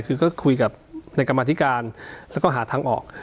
คือก็คุยกับในกรรมธิการแล้วก็หาทางออก